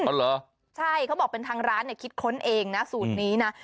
เหรอใช่เขาบอกเป็นทางร้านเนี่ยคิดค้นเองนะสูตรนี้นะ